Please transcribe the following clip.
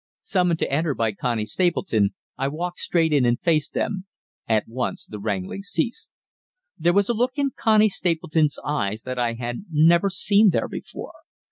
Summoned to enter by Connie Stapleton, I walked straight in and faced them. At once the wrangling ceased. There was a look in Connie Stapleton's eyes that I had never seen there before.